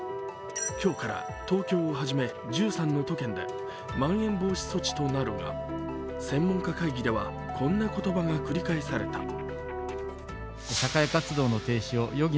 今日から東京をはじめ１３の都県でまん延防止措置となるが、専門家会議ではこんな言葉が繰り返された。